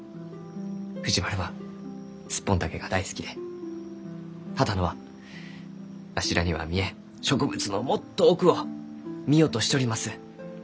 藤丸はスッポンタケが大好きで波多野はわしらには見えん植物のもっと奥を見ようとしちょります。